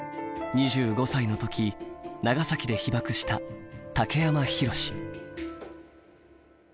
２５歳の時長崎で被爆した竹山広。